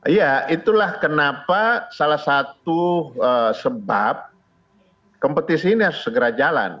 iya itulah kenapa salah satu sebab kompetisi ini harus segera jalan